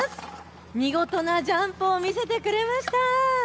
見事なジャンプを見せてくれました。